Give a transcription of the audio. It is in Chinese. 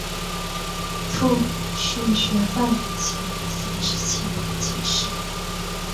父许学范为乾隆三十七年进士。